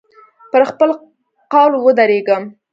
پر خپل قول ودرېږم.